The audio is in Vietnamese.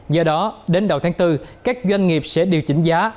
do đó đến đầu tháng bốn các doanh nghiệp sẽ điều chỉnh giá